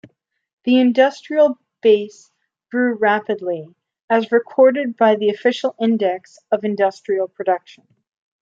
The industrial base grew rapidly, as recorded by the official index of industrial production.